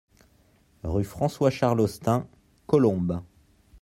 Rue François Charles Ostyn, Colombes